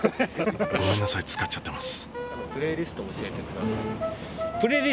ごめんなさい使っちゃってます。